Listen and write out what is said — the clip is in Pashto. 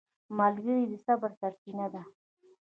ملګری د صبر سرچینه ده